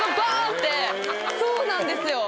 そうなんですよ。